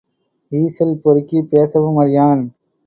ஈசல் பொறுக்கி பேசவும் அறியான்.